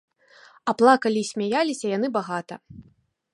А плакалі і смяяліся яны багата.